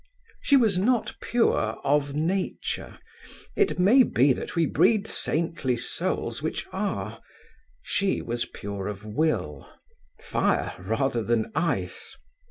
She was not pure of nature: it may be that we breed saintly souls which are: she was pure of will: fire rather than ice.